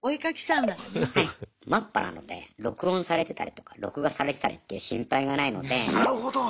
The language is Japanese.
マッパなので録音されてたりとか録画されてたりっていう心配がないのでなるほど。